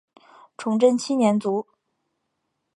崇祯七年卒。